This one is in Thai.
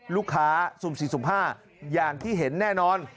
ลูกค้า๐๔๐๕อย่างที่เห็นแน่นอน